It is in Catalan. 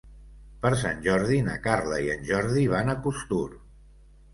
Per Sant Jordi na Carla i en Jordi van a Costur.